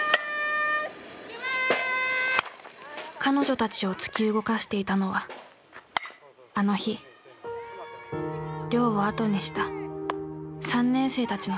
彼女たちを突き動かしていたのはあの日寮を後にした３年生たちの姿だった。